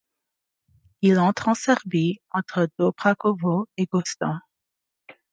Il entre en Serbie entre Dobrakovo et Gostun.